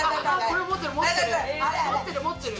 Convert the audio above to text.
これ持ってる持ってる。